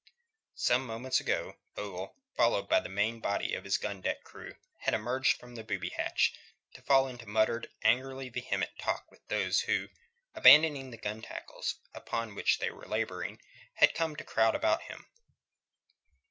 Some moments ago Ogle, followed by the main body of his gun deck crew, had emerged from the booby hatch, to fall into muttered, angrily vehement talk with those who, abandoning the gun tackles upon which they were labouring, had come to crowd about him.